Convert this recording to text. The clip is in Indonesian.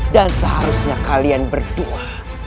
dan seharusnya kalian berdua